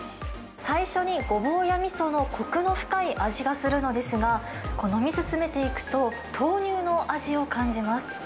最初にごぼうやみその、こくの深い味がするのですが、飲み進めていくと、豆乳の味を感じます。